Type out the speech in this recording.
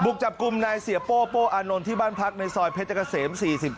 กจับกลุ่มนายเสียโป้โป้อานนท์ที่บ้านพักในซอยเพชรเกษม๔๗